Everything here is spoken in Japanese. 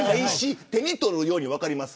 手に取るように分かります